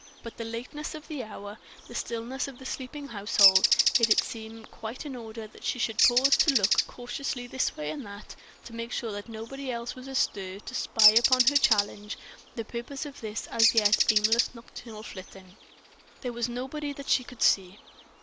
But the lateness of the hour, the stillness of the sleeping household, made it seem quite in order that she should pause to look cautiously this way and that and make sure that nobody else was astir to spy upon her or challenge the purpose of this as yet aimless nocturnal flitting. There was nobody that she could see.